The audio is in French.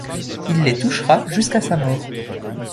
Il les touchera jusqu’à sa mort.